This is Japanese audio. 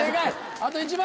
あと１問。